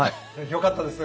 よかったです。